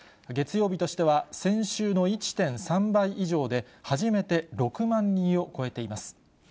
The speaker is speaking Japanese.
月曜日としては先週の１．３倍以上で、初めて６万人を超えています。